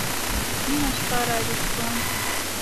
نيمه شپه راويښ سوم.